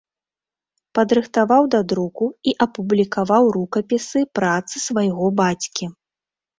Падрыхтаваў да друку і апублікаваў рукапісы працы свайго бацькі.